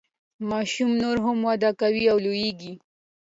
ماشوم نوره هم وده کوي او لوییږي.